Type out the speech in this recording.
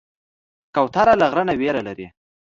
کوتره له غره نه ویره لري.